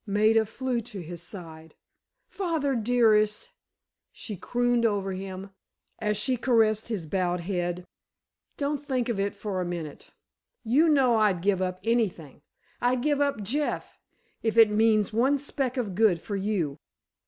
Maida flew to his side. "Father, dearest," she crooned over him, as she caressed his bowed head, "don't think of it for a minute! You know I'd give up anything—I'd give up Jeff—if it means one speck of good for you."